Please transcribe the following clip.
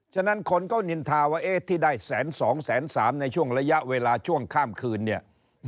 ฉะนั้นคนก็นินทาว่าที่ได้แสนสองแสนสามในช่วงระยะเวลาช่วงข้ามคืนเนี่ย